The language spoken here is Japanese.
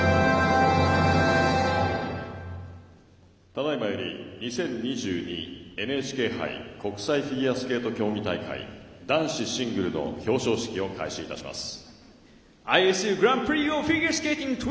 ただいまより２０２２ＮＨＫ杯国際フィギュアスケート競技大会男子シングルの表彰式を開始いたします。